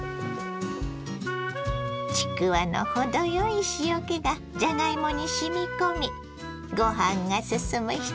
ちくわの程よい塩気がじゃがいもにしみ込みごはんが進む１品。